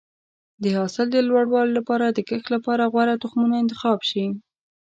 د حاصل د لوړوالي لپاره د کښت لپاره غوره تخمونه انتخاب شي.